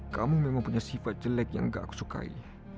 kamu memang punya sifat jelek yang gak aku sukai